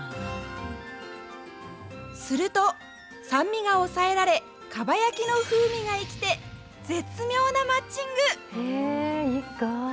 すると酸味が抑えられかば焼きの風味が生きて絶妙なマッチング。